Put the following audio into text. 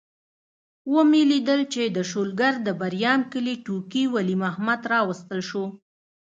ومې لیدل چې د شلګر د بریام کلي ټوکي ولي محمد راوستل شو.